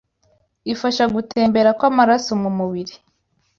ifasha gutembera kw’amaraso mu mubiri,